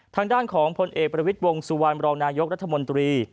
ทางด้านของพลเอกประวิทย์วงสุวรรณรองนายกรัฐมนตรี